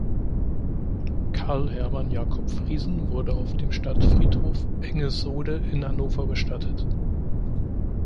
Karl Hermann Jacob-Friesen wurde auf dem Stadtfriedhof Engesohde in Hannover bestattet.